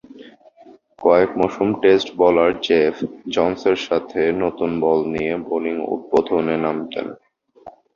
কয়েক মৌসুম test bowler Jeff জোন্সের সাথে নতুন বল নিয়ে বোলিং উদ্বোধনে নামতেন।